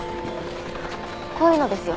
こういうのですよ。